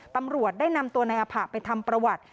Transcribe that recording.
ตำรวจได้นำตัวนายอภะไปทำประวัติ